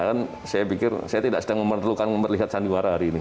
dan saya pikir saya tidak sedang memerlukan memperlihat sandiwara hari ini